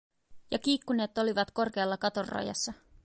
Ja kiikkuneet olivat korkealla katon rajassa.